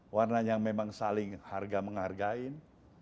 warna yang memang saling harga menghargain